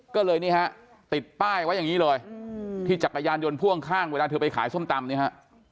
ก็เลยนี่ฮะติดป้ายไว้อย่างนี้เลยที่จักรยานยนต์พ่วงข้างเวลาเธอไปขายส้มตำเนี่ยฮะ